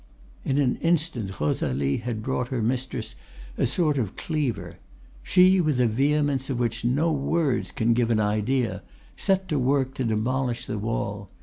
"In an instant Rosalie had brought her mistress a sort of cleaver; she, with a vehemence of which no words can give an idea, set to work to demolish the wall.